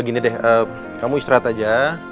gini deh kamu istirahat aja